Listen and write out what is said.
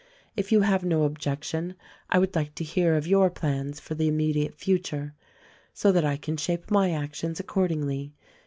If you have no objection I would like to hear of your plans for the immediate future so that I can shape my actions accordingly.